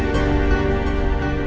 tidak ada yang bisa dikira